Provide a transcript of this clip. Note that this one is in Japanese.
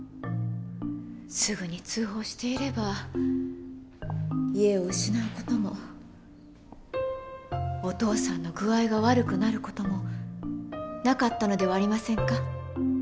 すぐに通報していれば家を失う事もお父さんの具合が悪くなる事もなかったのではありませんか？